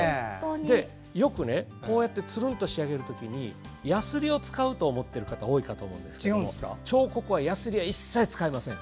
よくこうやってつるんと仕上げる時にやすりを使うと思っている方多いかと思うんですけど彫刻はやすりは一切使いません。